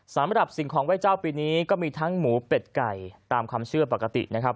สำหรับสิ่งของไห้เจ้าปีนี้ก็มีทั้งหมูเป็ดไก่ตามความเชื่อปกตินะครับ